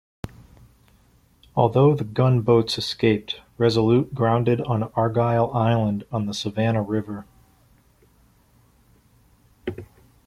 Although the gunboats escaped, "Resolute" grounded on Argyle Island on the Savannah River.